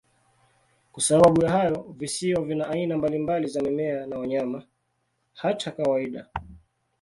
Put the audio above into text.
Kwa sababu ya hayo, visiwa vina aina mbalimbali za mimea na wanyama, hata kawaida.